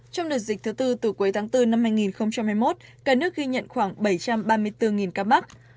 trong đợt dịch thứ tư từ cuối tháng bốn năm hai nghìn hai mươi một cả nước ghi nhận khoảng bảy trăm ba mươi bốn ca mắc